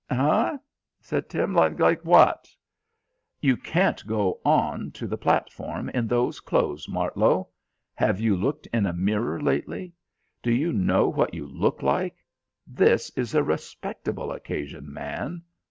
"Eh?" said Tim. "Like what?" "You can't go on to the platform in those clothes, Martlow. Have you looked in a mirror lately? Do you know what you look like? This is a respectable occasion, man."